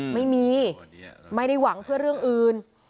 ไม่ได้หวังเพื่อเรื่องอื่น